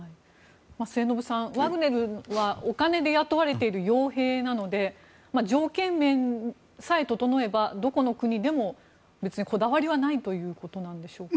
末延さん、ワグネルはお金で雇われている傭兵なので、条件面さえ整えばどこの国でも別にこだわりはないということでしょうか？